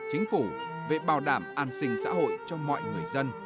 chính phủ về bảo đảm an sinh xã hội cho mọi người dân